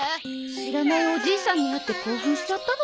知らないおじいさんに会って興奮しちゃったのかしら？